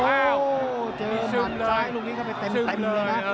โอ้โหเจอหมัดซ้ายลูกนี้เข้าไปเต็มเลยนะ